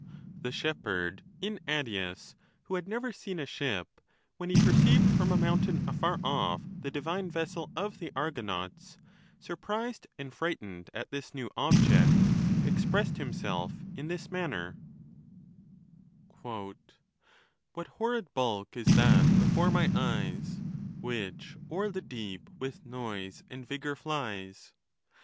The shepherd in Attius,' who had never seen a ship, when he perceived from a mountain afar ofE the divine vessel of the Argonauts, surprised and frighted at this new object, ex pressed himself in this manner : What horrid bulk is that before my eyes, Which o'er the deep with noise and vigor flies